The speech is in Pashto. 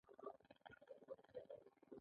سړی وږی دی.